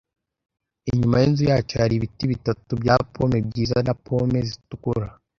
Inyuma yinzu yacu hari ibiti bitatu bya pome byiza na pome zitukura.